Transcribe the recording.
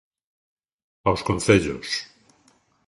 Aos concellos.